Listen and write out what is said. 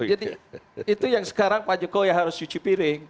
itu yang sekarang pak jokowi harus cuci piring